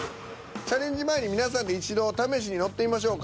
チャレンジ前に皆さんで一度試しに乗ってみましょうか。